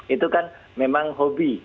itu kan memang hobi